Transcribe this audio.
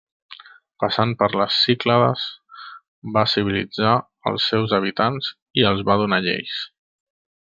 Passant per les Cíclades, va civilitzar els seus habitants i els va donar lleis.